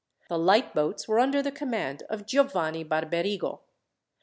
The light boats were under the command of Giovanni Barberigo.